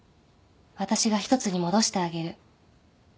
私が一つに戻してあげる。